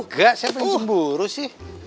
gak siapa yang cemburu sih